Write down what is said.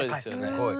すごい。